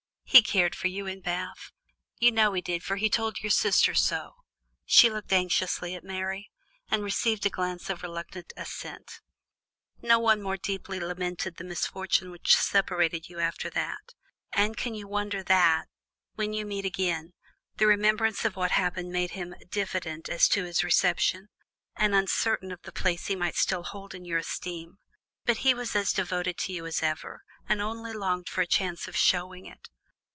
He cared for you in Bath; you know he did for he told your sister so." She looked anxiously at Mary, and received a glance of reluctant assent. "No one more deeply lamented the misfortune which separated you after that; and can you wonder that, when you meet again, the remembrance of what happened made him diffident as to his reception, and uncertain of the place he still might hold in your esteem? But he was as devoted to you as ever, and only longed for a chance of showing it.